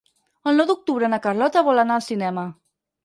El nou d'octubre na Carlota vol anar al cinema.